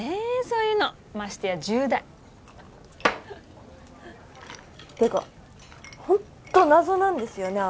そういうのましてや１０代ってかホント謎なんですよね